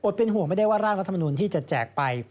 เป็นห่วงไม่ได้ว่าร่างรัฐมนุนที่จะแจกไป